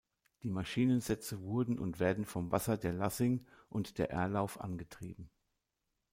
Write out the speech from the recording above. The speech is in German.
Die Maschinensätze wurden und werden vom Wasser der Lassing und der Erlauf angetrieben.